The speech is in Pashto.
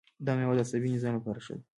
دا میوه د عصبي نظام لپاره ښه ده.